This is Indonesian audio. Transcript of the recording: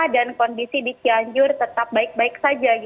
dan kondisi di cianjur tetap baik baik saja